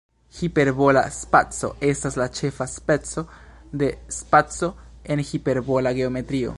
Hiperbola spaco estas la ĉefa speco de spaco en hiperbola geometrio.